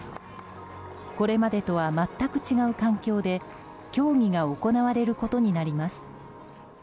これまでとは全く違う環境で競技が行われることになります。